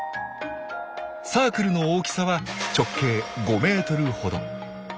サークルの大きさは直径５ｍほど。